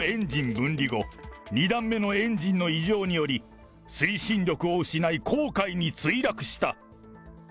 分離後、２段目のエンジンの異常により、推進力を失い、黄海に墜落した。